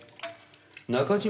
中島